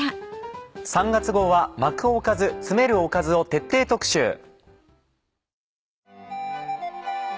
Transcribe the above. ３月号は「巻くおかず、詰めるおかず」を徹底特集。